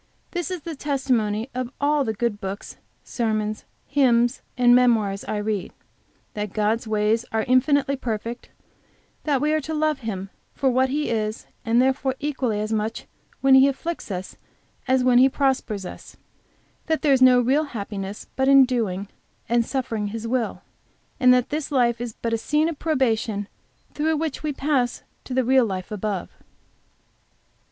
This is the testimony of all the good books, sermons, hymns, and, memoirs I read that God's ways are infinitely perfect; that we are to love Him for what He is, and therefore equally as much when He afflicts as when He prospers us; that there is no real happiness but in doing and suffering His will, and that this life is but a scene of probation through which we pass to the real life above.